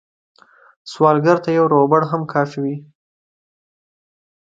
سوالګر ته یو روغبړ هم کافي وي